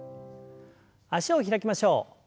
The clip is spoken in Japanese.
脚を開きましょう。